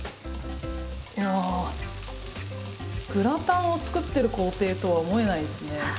グラタンを作ってる工程とは思えないですね。